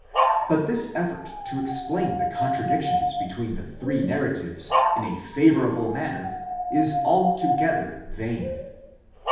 But this effort to explain the contradictions between the three narratives in a favourable man ner is altogether vain.